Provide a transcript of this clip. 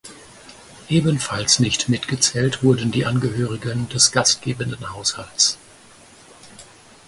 Ebenfalls nicht mitgezählt wurden die Angehörigen des gastgebenden Haushalts.